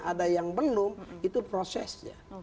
ada yang belum itu prosesnya